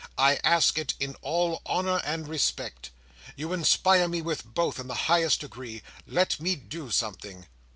I ask it in all honour and respect. You inspire me with both, in the highest degree. Let me do something."